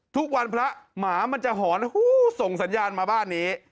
ทุกวันพระหมามันจะหอนหู้ส่งสัญญาณมาบ้านนี้